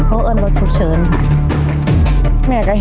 ลองกันถามอีกหลายเด้อ